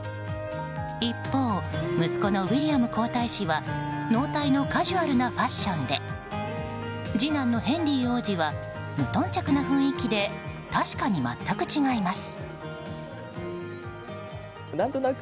一方、息子のウィリアム皇太子はノータイのカジュアルなファッションで次男のヘンリー王子は無頓着な雰囲気で確かに全く違います。